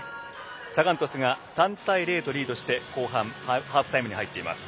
サガン鳥栖が３対０とリードしてハーフタイムに入っています。